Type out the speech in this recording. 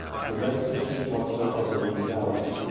The rest of the Pequots were utterly routed.